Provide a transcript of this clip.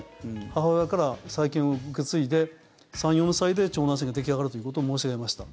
母親から細菌を受け継いで３４歳で腸内細菌が出来上がるということを申し上げました。